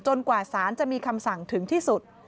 กว่าสารจะมีคำสั่งถึงที่สุด